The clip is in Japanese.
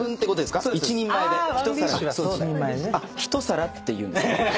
あっ一皿って言うんですね。